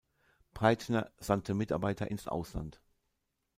Breitner sandte Mitarbeiter ins Ausland.